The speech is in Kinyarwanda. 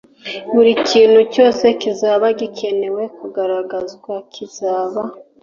buri kintu cyose kizaba gikenewe kugaragazwa kizaba